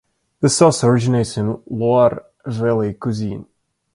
This sauce originates in Loire Valley cuisine.